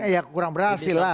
ya kurang berhasil lah